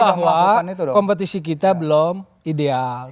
terutama setelah kompetisi kita belum ideal